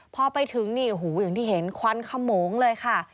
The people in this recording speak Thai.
พอไปถึงอย่างที่เห็นควันขมงเลยค่ะ